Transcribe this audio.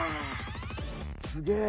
すげえ。